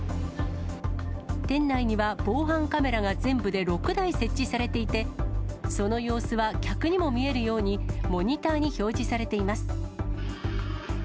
店内には、防犯カメラが全部で６台設置されていて、その様子は客にも見えるようにモニターに表示されています。